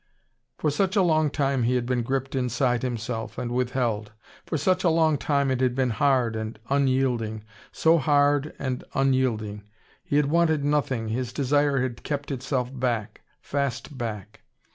For such a long time he had been gripped inside himself, and withheld. For such a long time it had been hard and unyielding, so hard and unyielding. He had wanted nothing, his desire had kept itself back, fast back.